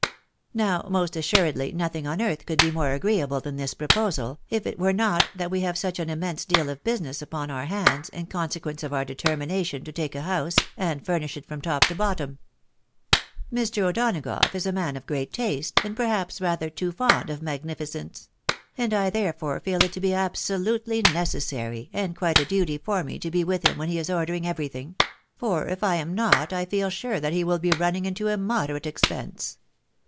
Now most assuredly nothing on earth could be more agreeable than this proposal, if it were not that we have such an immense deal of business upon our hands, in con sequence of our determination to take a house, and furnish it from top to bottom. Mr. O'Donagough is a man of great taste, and perhaps rather too fond of magnificence ; and I therefore feel it to be absolutely necessary, and quite a duty for me to be with him when he is ordering everything ; for if I am not, I feel sure that he wiH be running into immoderate expense.